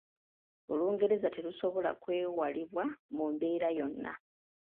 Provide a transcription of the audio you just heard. Olungereza terusobola kwewalibwa mu mbeera yonna.